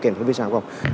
kèm theo phía sau không